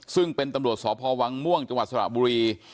ซึ่งเป็นตำรวจสพวังม่วงจังหวัดสระบุรี